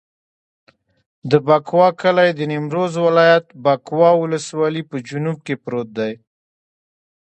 د بکوا کلی د نیمروز ولایت، بکوا ولسوالي په جنوب کې پروت دی.